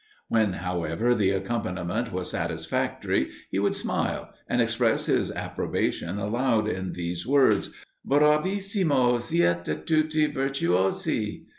When, however, the accompaniment was satisfactory, he would smile, and express his approbation aloud, in these words, "Bravissimo! Siete tutti virtuosi!"